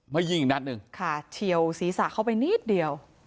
มายิงอีกนัดหนึ่งค่ะเฉียวศีรษะเข้าไปนิดเดียว